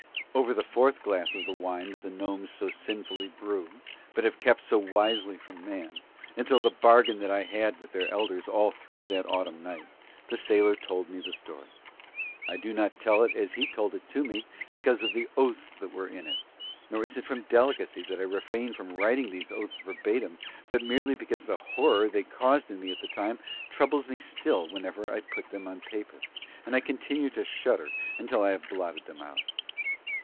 Over the fourth glass of the wine that the gnomes so sinfully brew but have kept so wisely from man, until the bargain that I had with their elders all through that autumn night, the sailor told me the story. I do not tell it as he told it to me because of the oaths that were in it; nor is it from delicacy that I refrain from writing these oaths verbatim, but merely because the horror they caused in me at the time troubles me still whenever I put them on paper, and I continue to shudder until I have blotted them out.